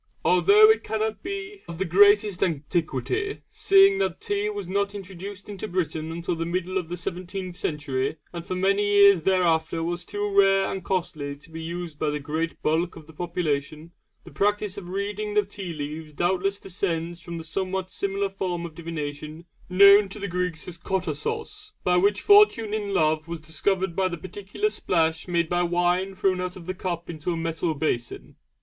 Although it cannot be of the greatest antiquity, seeing that tea was not introduced into Britain until the middle of the seventeenth century, and for many years thereafter was too rare and costly to be used by the great bulk of the population, the practice of reading the tea leaves doubtless descends from the somewhat similar form of divination known to the Greeks as "κοταβος" by which fortune in love was discovered by the particular splash made by wine thrown out of a cup into a metal basin.